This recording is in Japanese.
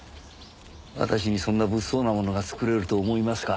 私にそんな物騒な物が作れると思いますか？